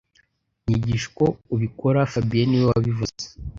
Nyigisha uko ubikora fabien niwe wabivuze